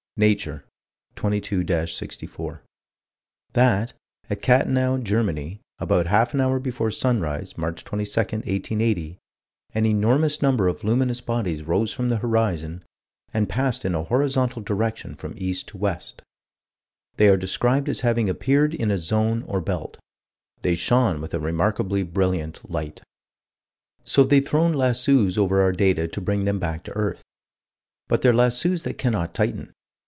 Nature, 22 64: That, at Kattenau, Germany, about half an hour before sunrise, March 22, 1880, "an enormous number of luminous bodies rose from the horizon, and passed in a horizontal direction from east to west." They are described as having appeared in a zone or belt. "They shone with a remarkably brilliant light." So they've thrown lassos over our data to bring them back to earth. But they're lassos that cannot tighten.